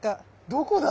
どこだ？